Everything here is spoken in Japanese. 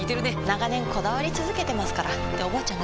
長年こだわり続けてますからっておばあちゃん